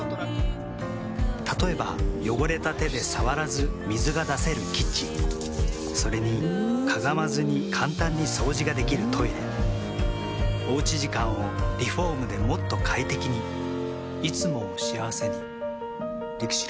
例えば汚れた手で触らず水が出せるキッチンそれにかがまずに簡単に掃除ができるトイレおうち時間をリフォームでもっと快適にいつもを幸せにＬＩＸＩＬ。